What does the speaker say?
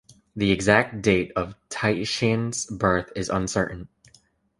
The exact date of Titian's birth is uncertain.